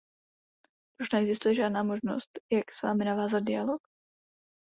Proč neexistuje žádná možnost, jak s vámi navázat dialog?